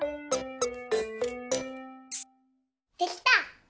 できた！